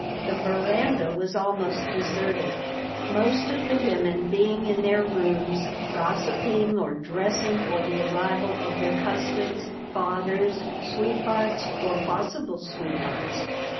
The veranda was almost deserted, most of the women being in their rooms, gossiping or dressing for the arrival of their husbands, fathers, sweethearts, or possible sweethearts.